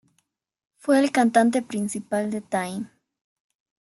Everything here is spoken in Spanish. Fue el cantante principal de Time.